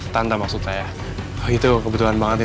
tante maksudnya ya kalau gitu kebetulan banget bu